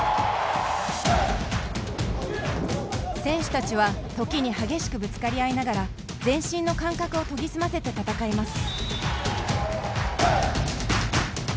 選手たちは、時に激しくぶつかり合いながら全身の感覚を研ぎ澄ませて戦います。